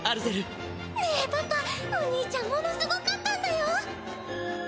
ねえパパお兄ちゃんものすごかったんだよ！